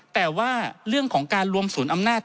แต่ว่าเรื่องของการรวมศูนย์อำนาจ